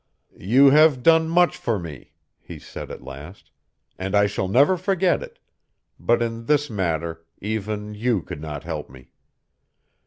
"You have done much for me," he said at last, "and I shall never forget it, but in this matter even you could not help me.